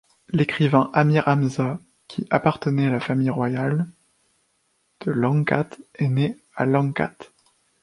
L'écrivain Amir Hamzah, qui appartenait la famille royale de Langkat, est né à Langkat.